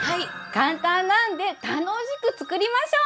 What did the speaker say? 簡単なんで楽しく作りましょう！